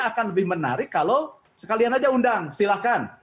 akan lebih menarik kalau sekalian saja undang silahkan